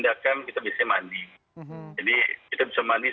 setiap kali kita habis habis tindakan kita biasanya mandi